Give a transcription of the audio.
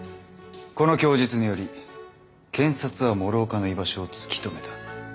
この供述により検察は諸岡の居場所を突き止めた。